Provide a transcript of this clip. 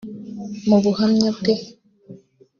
Mu buhumya bwe